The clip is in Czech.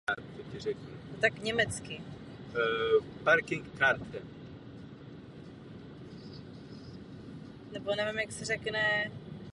Jde v podstatě o integrální součást ledolezení a jeho pokračování v místech bez ledu.